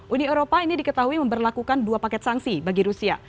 uni eropa ini diketahui memperlakukan dua paket sanksi bagi rusia